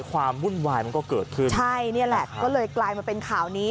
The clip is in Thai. ความวุ่นวายมันก็เกิดขึ้นใช่นี่แหละก็เลยกลายมาเป็นข่าวนี้